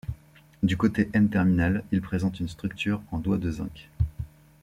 Du côté N-terminal, il présente une structure en doigt de zinc.